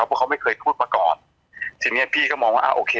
เพราะเขาไม่เคยพูดมาก่อนทีเนี้ยพี่ก็มองว่าอ่าโอเค